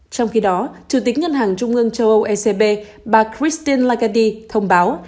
trong khi đó chủ tịch nhân hàng trung ương châu âu ecb bà christine lagardie thông báo